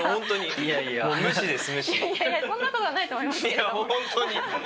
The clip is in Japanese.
いやいやそんな事はないと思いますけど。